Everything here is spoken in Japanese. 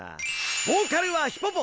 ボーカルはヒポポ！